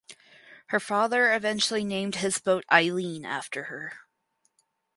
Her father eventually named his boat "Aileen" after her.